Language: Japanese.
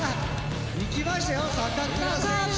いきましたよ坂倉選手。